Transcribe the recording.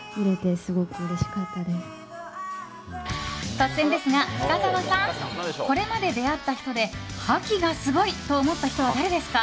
突然ですが、深澤さんこれまで出会った人で覇気がすごいと思った人は誰ですか？